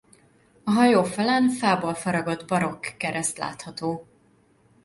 A hajó falán fából faragott barokk kereszt látható.